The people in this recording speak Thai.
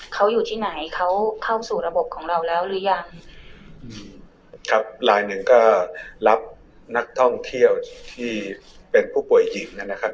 เขาอยู่ที่ไหนเขาเข้าสู่ระบบของเราแล้วหรือยังครับลายหนึ่งก็รับนักท่องเที่ยวที่เป็นผู้ป่วยหญิงนะครับ